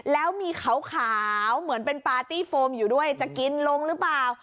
แล้วมีขาวเหมือนเป็นปาร์ตี้โฟมอยู่ด้วยจะกินลงหรือเปล่า